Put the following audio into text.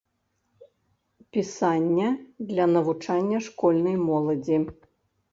Пісання для навучання школьнай моладзі.